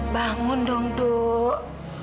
bangun dong duk